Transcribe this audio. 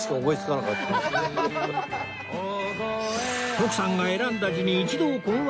徳さんが選んだ字に一同困惑